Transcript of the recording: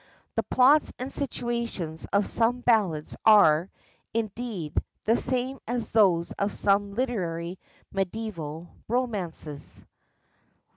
The plots and situations of some ballads are, indeed, the same as those of some literary mediæval romances.